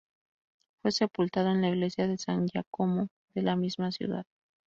Fue sepultado en la iglesia de San Giacomo de la misma ciudad.